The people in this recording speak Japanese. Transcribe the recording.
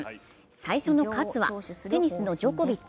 最初の「喝」は、テニスのジョコビッチ。